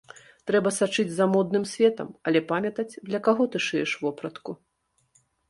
Трэба сачыць за модным светам, але памятаць для каго ты шыеш вопратку.